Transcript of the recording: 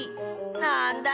なんだ。